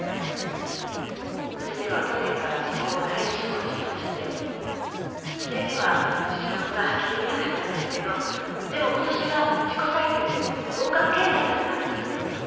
娘は去年からそこを第一志望にしてまして１年目は実力が発揮できなかったんですけどでも今年は自己採点で合格圏内だったんです。